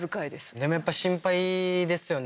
でもやっぱ心配ですよね